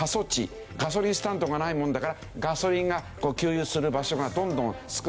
ガソリンスタンドがないもんだからガソリンが給油する場所がどんどん少なくなっている。